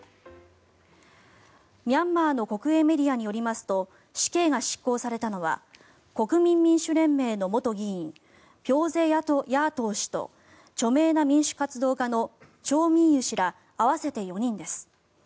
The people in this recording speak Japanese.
ミャンマーの国営メディアによりますと死刑が執行されたのは国民民主連盟の元議員ピョーゼヤートー氏と著名な民主活動家のチョーミンユ氏ら合わせて４人です。